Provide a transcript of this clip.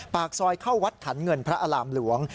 ปากซอยเข้าวัดขันเงินพระอารามหลวง